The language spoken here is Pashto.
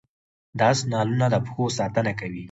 د اس نالونه د پښو ساتنه کوي